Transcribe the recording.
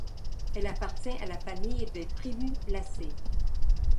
Elle appartient à la famille des primulacées.